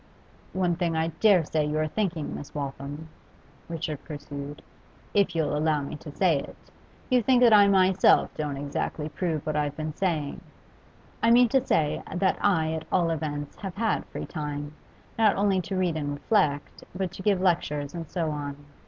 'One thing I dare say you are thinking, Miss Waltham,' Richard pursued, 'if you'll allow me to say it. You think that I myself don't exactly prove what I've been saying I mean to say, that I at all events have had free time, not only to read and reflect, but to give lectures and so on.